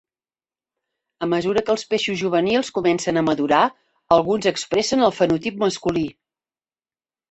A mesura que els peixos juvenils comencen a madurar, alguns expressen el fenotip masculí.